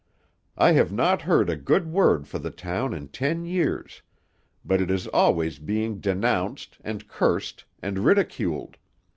I have not heard a good word for the town in ten years, but it is always being denounced, and cursed, and ridiculed.